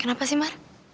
kenapa sih mar